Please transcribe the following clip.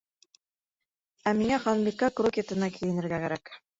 Ә миңә Ханбикә крокетына кейенергә кәрәк.